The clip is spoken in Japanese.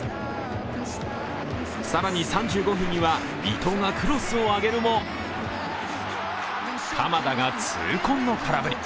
更に３５分には伊東がクロスを上げるも鎌田が痛恨の空振り。